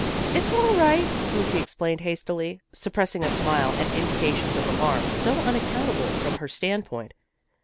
"It's all right," Lucy explained hastily, suppressing a smile at indications of alarm so unaccountable from her standpoint.